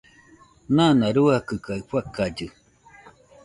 Nana ruakɨ kaɨ fakallɨ